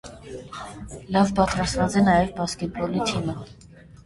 Լավ պատրաստված է նաև բասկետբոլի թիմը։